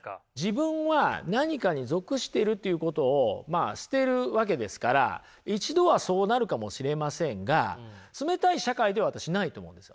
自分は何かに属してるということを捨てるわけですから一度はそうなるかもしれませんが冷たい社会では私ないと思うんです。